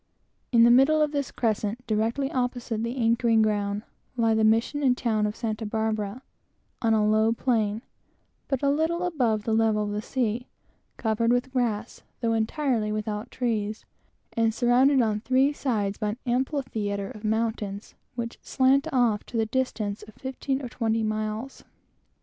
In the middle of this crescent, directly opposite the anchoring ground, lie the mission and town of Santa Barbara, on a low, flat plain, but little above the level of the sea, covered with grass, though entirely without trees, and surrounded on three sides by an amphitheatre of mountains, which slant off to the distance of fifteen or twenty miles.